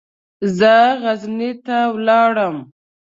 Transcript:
زه غزني ته ولاړم.